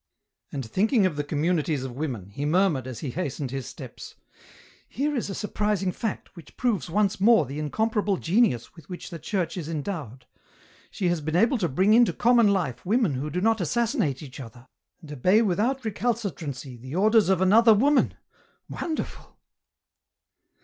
And thinking of the communities of women, he murmured as he hastened his steps :" Here is a surprising fact, which proves once more the incomparable genius with which the Church is endowed ; she has been able to bring into common life women who do not assassinate each other, and obey without recalcitrancy the orders of another woman — wonderful